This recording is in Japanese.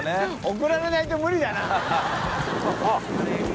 送られないと無理だな。